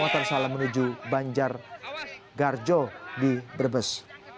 motor salah menuju banjar garjo di brebes